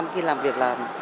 một trăm linh khi làm việc là